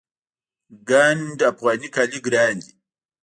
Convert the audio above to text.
ګنډ افغاني کالي ګران دي